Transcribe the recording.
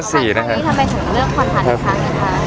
ตอนนี้ทำไมถึงเรื่องควันฐานอีกครั้งนะครับ